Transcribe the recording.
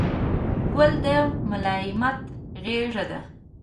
ګل د ملایمت غېږه ده.